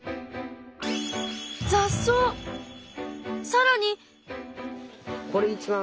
さらに。